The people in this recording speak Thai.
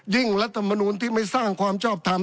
ยิ่งรัฐธรรมนูญที่ไม่สร้างความชอบธรรม